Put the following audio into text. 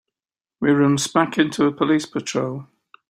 We run smack into a police patrol.